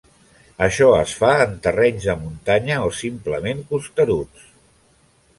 Això es fa en terrenys de muntanya o simplement costeruts.